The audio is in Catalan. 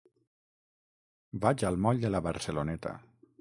Vaig al moll de la Barceloneta.